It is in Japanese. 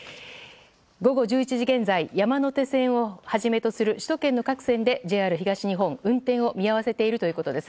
午後１１時現在山手線をはじめとする首都圏の各線でＪＲ東日本運転を見合わせているということです。